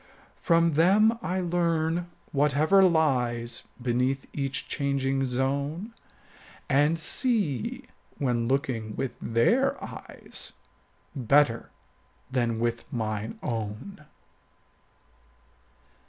From them I learn whatever lies Beneath each changing zone, And see, when looking with their eyes, 35 Better than with mine own.